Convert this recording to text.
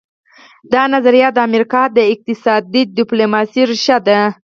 دا نظریه د امریکا د اقتصادي ډیپلوماسي ریښه ده